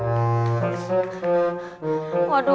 aku harus kabur kemana ya